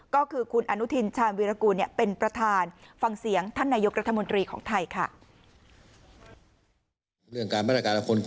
ก็คือคุณอนุทินชาววิรากูลเป็นประธาน